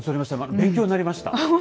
勉強になりました。